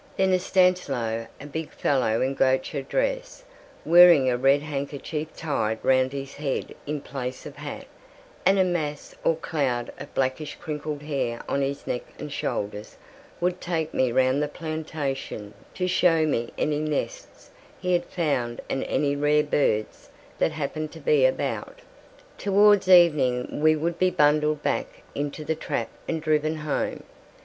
Then Estanislao, a big fellow in gaucho dress, wearing a red handkerchief tied round his head in place of hat, and a mass or cloud of blackish crinkled hair on his neck and shoulders, would take me round the plantation to show me any nests he had found and any rare birds that happened to be about. Towards evening we would be bundled back into the trap and driven home.